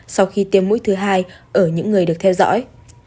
sau khi tiêm mũi thứ hai ở những người được theo dõi